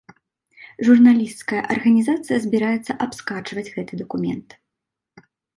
Журналісцкая арганізацыя збіраецца абскарджваць гэты дакумент.